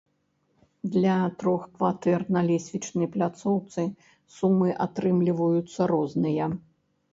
Для трох кватэр на лесвічнай пляцоўцы сумы атрымліваюцца розныя.